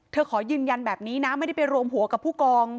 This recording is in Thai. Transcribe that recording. ขอยืนยันแบบนี้นะไม่ได้ไปรวมหัวกับผู้กอง